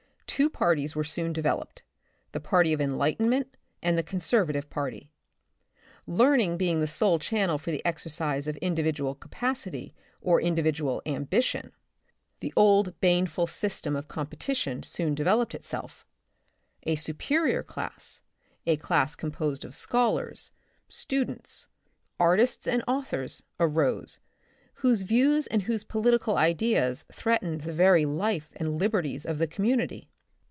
Two parties were soon developed ; the party of enlightment and the conservative party. Learning being the sole channel for the exercise of individual capacity or individual ambition. / 66 The Republic of the Future. the old baneful system of competition soon developed itself. A superior class, a class composed of scholars, students, artists and authors, arose, whose views and whose political ideas threatened the very life and liberties of the community.